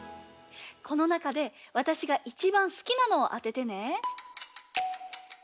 このなかでわたしがいちばんすきなのをあててね。